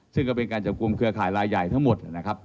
ซึ่งก็เป็นการจับกลุ่มเครือข่ายลายใหญ่ทั้งหมดนะครับ